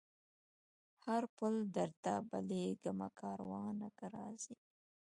هر پل درته بلېږمه کاروانه که راځې